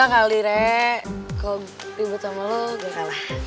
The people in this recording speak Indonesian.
kalo ribet sama lo gue kalah